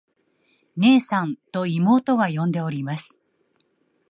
「ねえさん。」と妹が呼んでおります。